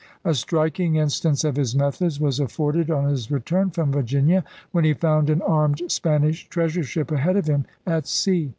A striking instance of his methods was afforded on his return from Virginia, when he found an armed Spanish treasure ship ahead of him at sea.